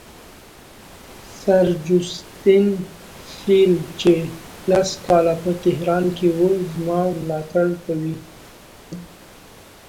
سر جوسټین شیل چې لس کاله په تهران کې وو زما ملاتړ کوي.